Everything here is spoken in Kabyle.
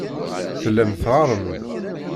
Tellam teɣɣarem-d.